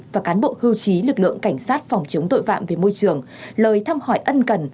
và cán bộ hưu trí lực lượng cảnh sát phòng chống tội phạm về môi trường lời thăm hỏi ân cần